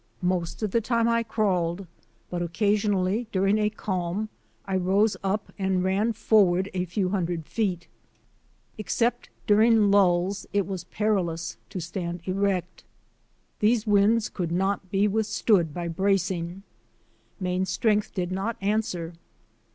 Most of the time I crawled, but occasionally during a calm I rose up and ran forward a few hundred feet. Except during lulls it was perilous to stand erect. These winds could not be with stood by bracing. Main strength did not answer.